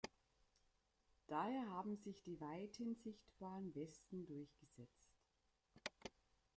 Daher haben sich die weithin sichtbaren Westen durchgesetzt.